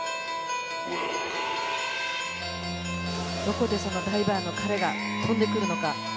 どこでダイバーの彼が跳んでくるのか。